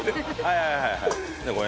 はいはいはい。